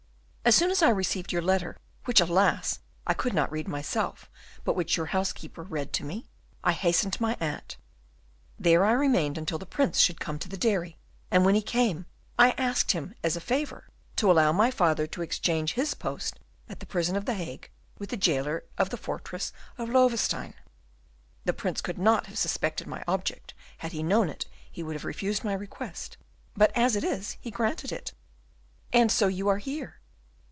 As soon as I received your letter, which, alas! I could not read myself, but which your housekeeper read to me, I hastened to my aunt; there I remained until the Prince should come to the dairy; and when he came, I asked him as a favour to allow my father to exchange his post at the prison of the Hague with the jailer of the fortress of Loewestein. The Prince could not have suspected my object; had he known it, he would have refused my request, but as it is he granted it." "And so you are here?"